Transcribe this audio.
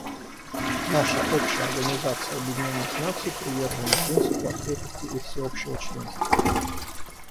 Наша общая Организация Объединенных Наций привержена принципу открытости и всеобщего членства.